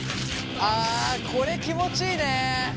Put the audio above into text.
あこれ気持ちいいね！